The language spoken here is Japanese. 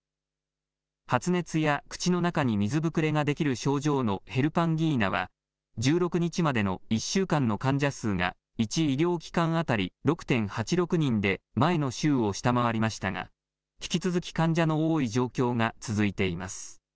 発熱や、口の中に水ぶくれが出来る症状のヘルパンギーナは、１６日までの１週間の患者数が、１医療機関当たり６．８６人で、前の週を下回りましたが、引き続き患者の多い状況が続いています。